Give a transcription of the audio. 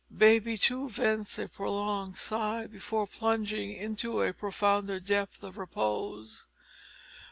Baby, too, vents a prolonged sigh before plunging into a profounder depth of repose.